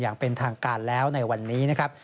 อย่างเป็นทางการแล้วในวันนี้นะครับ